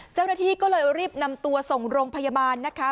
เจ้าหน้าที่ก็เลยรีบนำตัวส่งโรงพยาบาลนะคะ